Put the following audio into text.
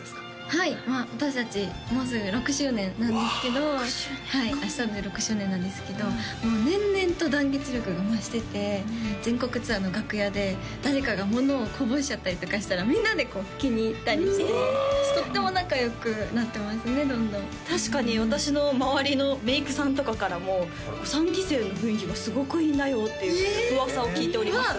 はい私達もうすぐ６周年なんですけど６周年か明日で６周年なんですけど年々と団結力が増してて全国ツアーの楽屋で誰かが物をこぼしちゃったりとかしたらみんなで拭きにいったりしてとっても仲良くなってますねどんどん確かに私の周りのメイクさんとかからも「３期生の雰囲気がすごくいいんだよ」っていう噂を聞いております